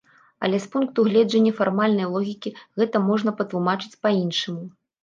Але з пункту гледжання фармальнай логікі гэта можна патлумачыць па-іншаму.